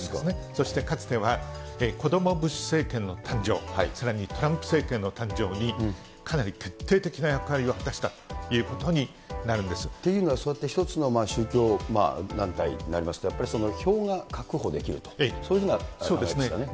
そしてかつては、子どもブッシュ政権の誕生、さらにトランプ政権の誕生に、かなり徹底的な役割を果たしたとというのは、そうやって一つの宗教団体になりますけど、やっぱりその票が確保できると、そういうふうなあれですかね。